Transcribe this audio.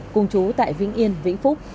cùng chú tại vĩnh yên vĩnh phúc